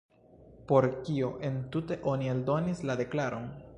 Por kio entute oni eldonis la deklaron?